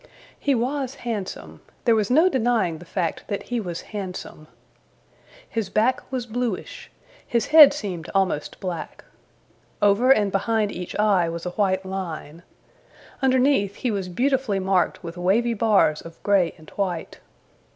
He was handsome. There was no denying the fact that he was handsome. His back was bluish. His head seemed almost black. Over and behind each eye was a white line. Underneath he was beautifully marked with wavy bars of gray and white.